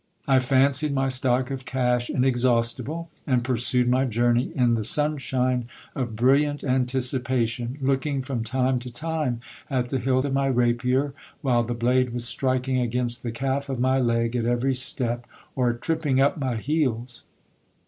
I fancied my stock of cash inexhaustible ; and pursued my journey in the sun shine of brilliant anticipation, looking from time to time at the hilt of my rapier, while the blade was striking against the calf of my leg at every step, or tripping up my heels.